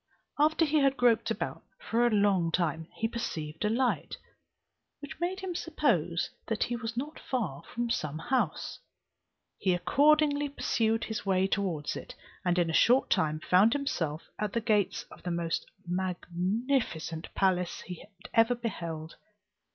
After he had groped about for a long time, he perceived a light, which made him suppose that he was not far from some house: he accordingly pursued his way towards it, and in a short time found himself at the gates of the most magnificent palace he ever beheld.